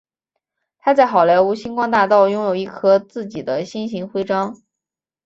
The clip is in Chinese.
他在好莱坞星光大道拥有一颗自己的星形徽章。